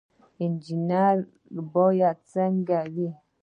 انجنیر باید څنګه وي؟